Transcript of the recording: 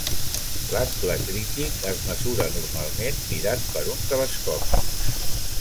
L'angle crític es mesura normalment mirant per un telescopi.